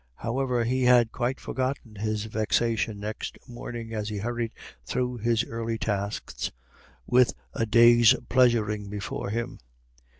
However, he had quite forgotten his vexation next morning, as he hurried through his early tasks with a day's pleasuring before him.